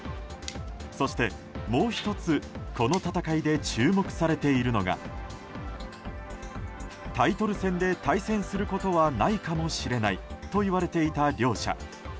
そしてもう１つ、この戦いで注目されているのがタイトル戦で対戦することはないかもしれないといわれていた両者。